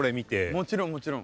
もちろんもちろん。